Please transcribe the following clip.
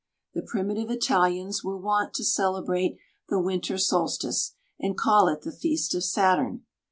The primitive Italians were wont to celebrate the winter solstice and call it the feast of Saturn.